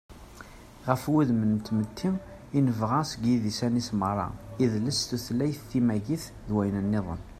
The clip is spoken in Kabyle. ɣef wudem n tmetti i nebɣa seg yidisan-is meṛṛa: idles, tutlayt, timagit, d wayen-nniḍen